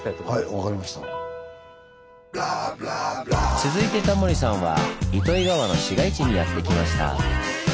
続いてタモリさんは糸魚川の市街地にやって来ました。